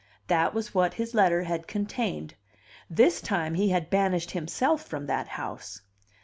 That was what his letter had contained; this time he had banished himself from that house.